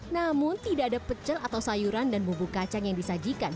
namun tidak ada pecel atau sayuran dan bumbu kacang yang disajikan